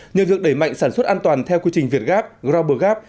nhờ việc đẩy mạnh sản xuất an toàn theo quy trình việt gap global gap